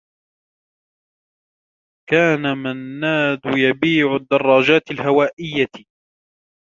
كان منّاد يبيع الدّرّاجات الهوائيّة.